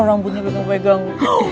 rambutnya lo gak pegang